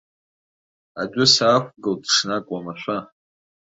Адәы саақәгылт ҽнак уамашәа.